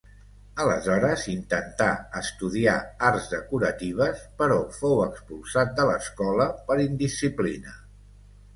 Aleshores intentà estudiar arts decoratives, però fou expulsat de l'escola per indisciplina.